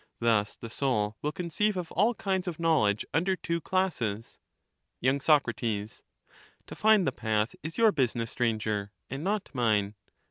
Thus the soul will conceive of all kinds of knowledge under two classes. Y. Soc. To find the path is your business, Stranger, and not mine.